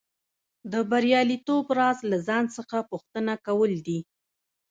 د بریالیتوب راز له ځان څخه پوښتنه کول دي